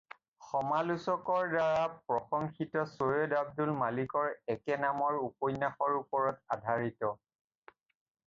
সমালোচকৰ দ্বাৰা প্ৰসংশিত চৈয়দ আব্দুল মালিকৰ একে নামৰ উপন্যাসৰ ওপৰত আধাৰিত।